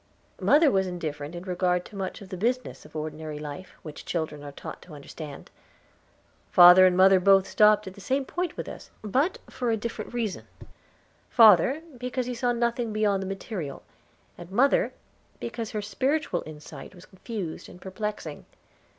Mother was indifferent in regard to much of the business of ordinary life which children are taught to understand. Father and mother both stopped at the same point with us, but for a different reason; father, because he saw nothing beyond the material, and mother, because her spiritual insight was confused and perplexing.